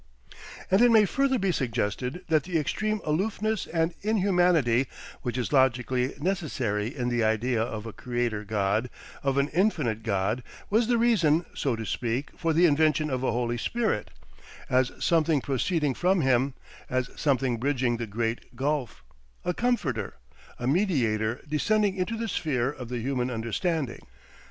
And it may further be suggested that the extreme aloofness and inhumanity, which is logically necessary in the idea of a Creator God, of an Infinite God, was the reason, so to speak, for the invention of a Holy Spirit, as something proceeding from him, as something bridging the great gulf, a Comforter, a mediator descending into the sphere of the human understanding.